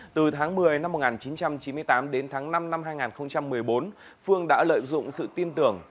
từ tháng một mươi năm một nghìn chín trăm chín mươi tám đến tháng năm năm hai nghìn một mươi bốn phương đã lợi dụng sự tin tưởng